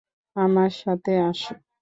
আমার সাথে আস।